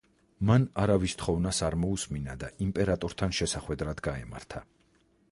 მან არავის თხოვნას არ მოუსმინა და იმპერატორთან შესახვედრად გაემართა.